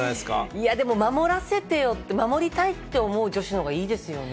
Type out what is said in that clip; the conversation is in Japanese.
いや、でも守らせてよって、守りたいって思う女子のほうがいいですよね。